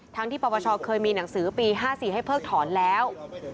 ทั้งที่ปปชเคยมีหนังสือปี๕๔ให้เพิกถอนแล้ว